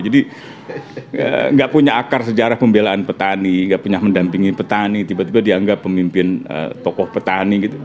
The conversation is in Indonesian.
jadi enggak punya akar sejarah pembelaan petani enggak punya mendampingi petani tiba tiba dianggap pemimpin tokoh petani gitu